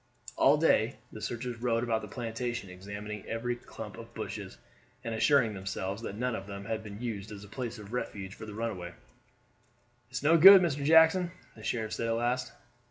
All day the searchers rode about the plantation examining every clump of bushes, and assuring themselves that none of them had been used as a place of refuge for the runaway. "It's no good, Mr. Jackson," the sheriff said at last.